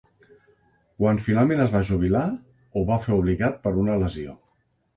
Quan finalment es va jubilar, ho va fer obligat per una lesió.